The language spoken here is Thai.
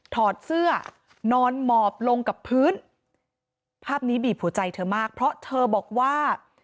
ถอดเสื้อนอนหมอบลงกับพื้นภาพนี้บีบหัวใจเธอมากเพราะเธอบอกว่า